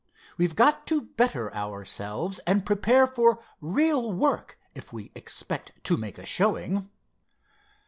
We've got to better ourselves and prepare for real work, if we expect to make a showing."